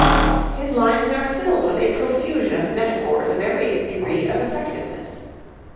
His lines are filled with a profusion of metaphors of every degree of effectiveness.